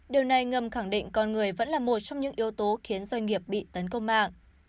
điều này ngầm khẳng định con người vẫn là một trong những yếu tố khiến doanh nghiệp bị tấn công mạng